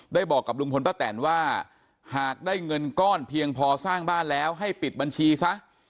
บอกกับลุงพลป้าแตนว่าหากได้เงินก้อนเพียงพอสร้างบ้านแล้วให้ปิดบัญชีซะ